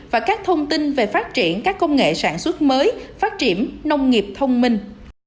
và các thông tin về phát triển các công nghệ sản xuất mới phát triển nông nghiệp thông minh